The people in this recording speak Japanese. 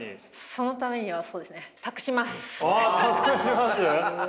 そのためにはそうですね、託します。